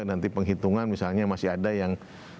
nanti penghitungan misalnya masih ada yang